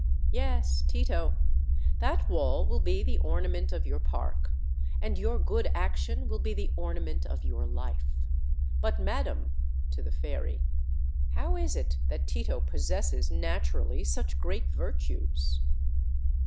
Yes, Tito; that wall will be the ornament of your park, and your good action will be the ornament of your life. But, madam," to the fairy, "how is it that Tito possesses naturally such great virtues?"